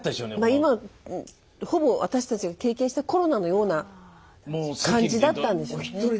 今ほぼ私たちが経験したコロナのような感じだったんでしょうね。